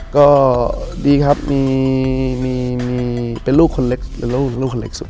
ก็ดีครับเป็นลูกคนเล็กยังสุด